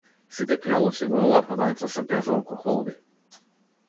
Сите пијалоци во оваа продавница се безалкохолни.